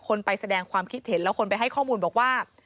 ไปแสดงความคิดเห็นแล้วคนไปให้ข้อมูลบอกว่า